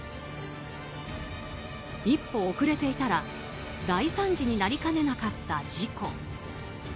一歩遅れていたら大惨事になりかねなかった事故。